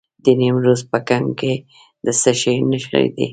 د نیمروز په کنگ کې د څه شي نښې دي؟